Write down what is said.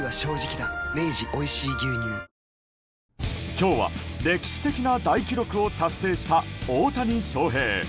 今日は、歴史的な大記録を達成した大谷翔平。